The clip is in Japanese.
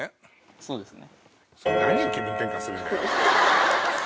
そうですね。